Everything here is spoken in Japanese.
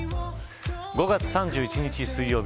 ５月３１日水曜日